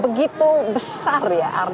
begitu besar ya arti